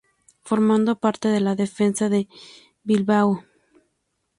Formando parte de la defensa de Bilbao.